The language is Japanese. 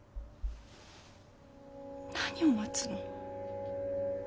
何を待つの？